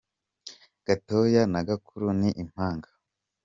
gatoya na gakuru ni impanga.